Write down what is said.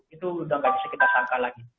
itu sudah tidak bisa kita sangka lagi